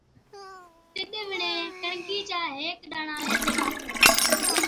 تِڏ وِڻهين ڪڻڪِي چا هيڪ ڏاڻا ليڌلا۔